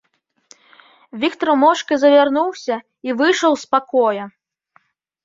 Віктар моўчкі завярнуўся і выйшаў з пакоя.